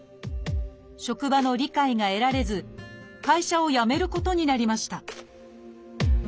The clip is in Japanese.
職場の理解が得られず会社を辞めることになりました。